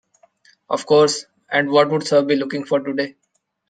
Of course, and what would sir be looking for today?